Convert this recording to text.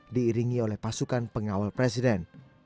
diiringi oleh pasukan pengawal presiden